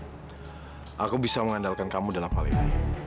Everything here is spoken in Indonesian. aku tahu aku bisa mengandalkan kamu dalam hal ini